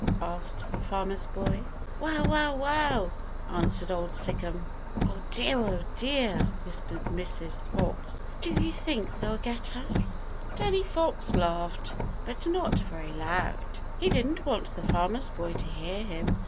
asked the Farmer's Boy. "Wow, wow, wow!" answered Old Sic'em. "Oh dear, oh dear!" whispered Mrs. Fox, "do you think they'll get us?" Danny Fox laughed, but not very loud. He didn't want the Farmer's Boy to hear him.